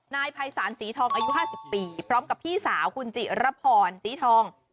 นายภัยศาลสีทองอายุ๕๐ปีพร้อมกับพี่สาวคุณจิรพรสีทอง